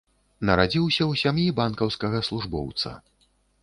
Нарадзілася ў сям'і банкаўскага службоўца.